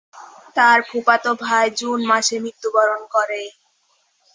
তার ফুফাতো ভাই জুন মাসে মৃত্যুবরণ করে।